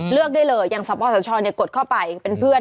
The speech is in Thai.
เลือกได้เลยอย่างสปสชกดเข้าไปเป็นเพื่อน